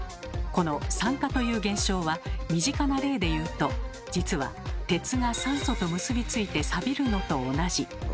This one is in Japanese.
この酸化という現象は身近な例でいうと実は鉄が酸素と結びついてサビるのと同じ。